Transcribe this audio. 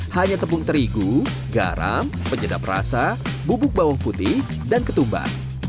hanya tepung terigu garam penyedap rasa bubuk bawang putih dan ketumbar